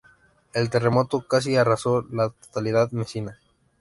El terremoto casi arrasó la totalidad Mesina.